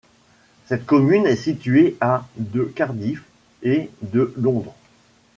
Cette commune est située à de Cardiff et de Londres.